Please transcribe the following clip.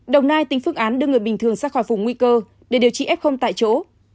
đồng nai tính phương án đưa người bình thường ra khỏi vùng nguy cơ để điều trị f tại chỗ